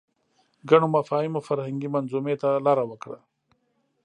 ګڼو مفاهیمو فرهنګي منظومې ته لاره وکړه